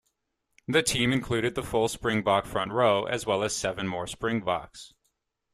The team included the full Springbok front row as well as seven more Springboks.